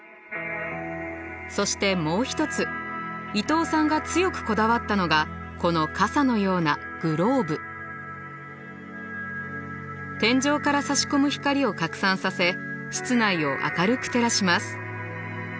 そしてもう一つ伊東さんが強くこだわったのがこの傘のような天井からさし込む光を拡散させ室内を明るく照らします。